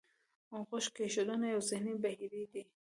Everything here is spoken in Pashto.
غوږ کېښودنه یو ذهني بهیر دی.